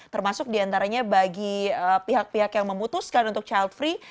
termasuk diantaranya bagi pihak pihak yang memutuskan untuk child free